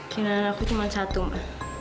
keinginan aku cuma satu ma